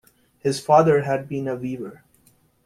His father had been a weaver.